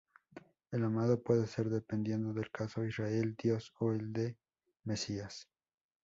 El amado puede ser, dependiendo del caso, Israel, Dios o el mesías.